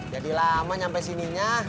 jadi lama nyampe sininya